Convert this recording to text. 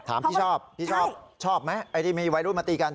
พี่ชอบพี่ชอบชอบไหมไอ้ที่มีวัยรุ่นมาตีกัน